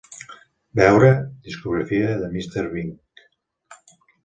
"Veure: Discografia de Mr. Big"